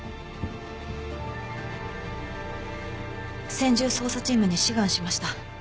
専従捜査チームに志願しました。